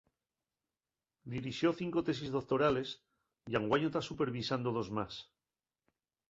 Dirixó cinco tesis doctorales y anguaño ta supervisando dos más.